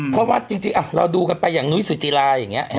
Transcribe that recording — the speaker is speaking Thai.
เพราะว่าจริงเราดูกันไปอย่างนุ้ยสุจิลาอย่างนี้